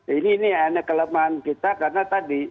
ini ini kelemahan kita karena tadi